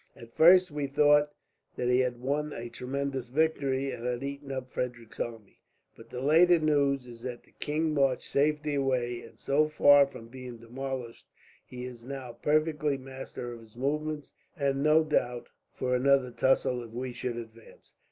At first we thought that he had won a tremendous victory, and had eaten up Frederick's army; but the later news is that the king marched safely away, and so far from being demolished he is now perfectly master of his movements; and ready, no doubt, for another tussle, if we should advance.